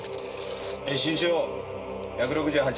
身長１６８。